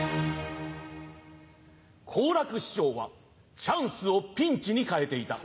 好楽師匠はチャンスをピンチに変えていた。